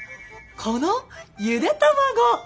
このゆで卵。